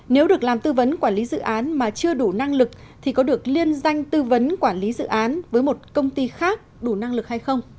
nếu được làm tư vấn quản lý dự án mà chưa đủ năng lực thì có được liên danh tư vấn quản lý dự án với một công ty khác đủ năng lực hay không